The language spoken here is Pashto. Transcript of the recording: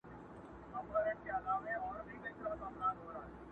خونه له شنو لوګیو ډکه ده څه نه ښکاریږي!.